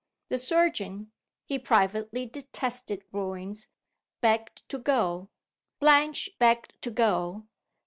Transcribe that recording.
The surgeon (he privately detested ruins) begged to go. Blanche begged to go.